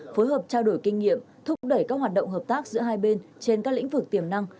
phối hợp trao đổi kinh nghiệm thúc đẩy các hoạt động hợp tác giữa hai bên trên các lĩnh vực tiềm năng